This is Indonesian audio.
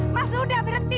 mas udah berhenti